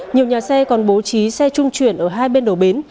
nhiều nhà xe còn bố trí xe trung chuyển ở hai bên đầu bến